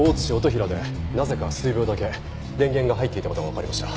比良でなぜか数秒だけ電源が入っていた事がわかりました。